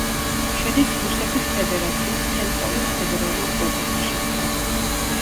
შედის რუსეთის ფედერაციის ცენტრალურ ფედერალურ ოკრუგში.